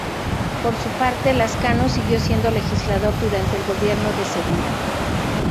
Por su parte, Lascano siguió siendo legislador durante el gobierno de Segura.